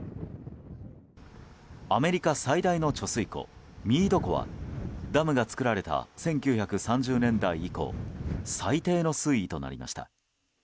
アメリカ最大の貯水湖ミード湖はダムが作られた１９３０年代以降最低の水位となりました。